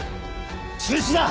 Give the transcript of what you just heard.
中止だ！